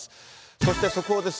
そして速報です。